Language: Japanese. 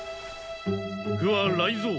不破雷蔵！